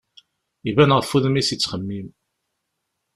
Iban ɣef wudem-is yettxemmim.